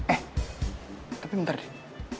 eh tapi bentar din